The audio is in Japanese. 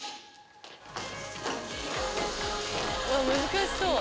難しそう！